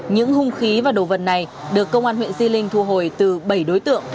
những hung khí và đồ vật này được công an huyện di linh thu hồi từ bảy đối tượng